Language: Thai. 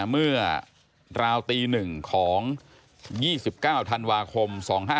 เมื่อราวตี๑ของ๒๙ธันวาคม๒๕๕๙